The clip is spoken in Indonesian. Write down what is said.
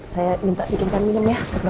saya minta bikinkan minum ya dokter anu ya